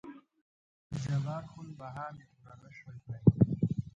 دجبار خون بها مې پوره نه شوى کړى.